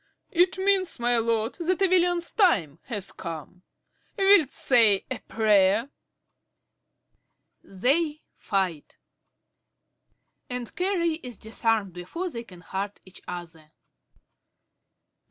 It means, my lord, that a villain's time has come. Wilt say a prayer? (_They fight, and Carey is disarmed before they can hurt each other.